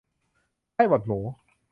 ไข้หวัดหมู